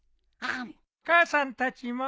母さんたちも。